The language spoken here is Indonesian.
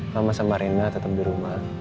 mama sama rena tetap di rumah